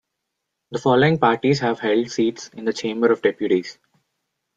The following parties have held seats in the Chamber of Deputies.